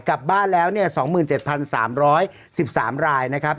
กลับบ้านแล้ว๒๗๓๑๓รายนะครับ